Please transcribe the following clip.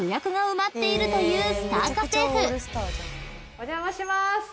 お邪魔します。